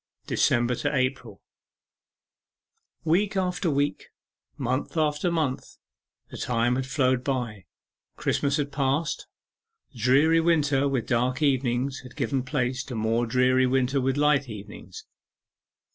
DECEMBER TO APRIL Week after week, month after month, the time had flown by. Christmas had passed; dreary winter with dark evenings had given place to more dreary winter with light evenings.